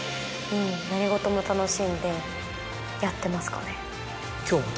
何事も楽しんでやってますかね。